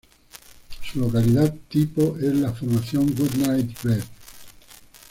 Su localidad tipo es la Formación Goodnight Bed.